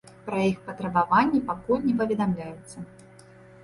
Пра іх патрабаванні пакуль не паведамляецца.